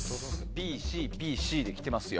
Ｂ、Ｃ、Ｂ、Ｃで来てますよ。